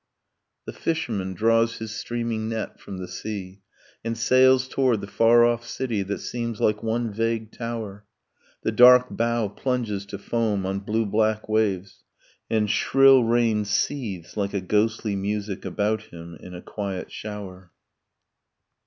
The fisherman draws his streaming net from the sea And sails toward the far off city, that seems Like one vague tower. The dark bow plunges to foam on blue black waves, And shrill rain seethes like a ghostly music about him In a quiet shower.